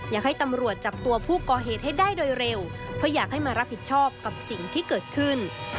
อยากให้ตำรวจจับตัวผู้ก่อเหตุให้ได้โดยเร็วเพราะอยากให้มารับผิดชอบกับสิ่งที่เกิดขึ้น